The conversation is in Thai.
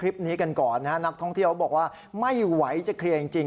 เดี๋ยวบอกว่าไม่ไหวจะเคลียร์จริง